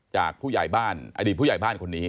จากผู้ใหญ่บ้านอดีตผู้ใหญ่บ้านคนนี้